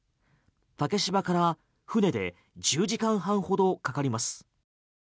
竹芝から船で１０時間半ほどかかります。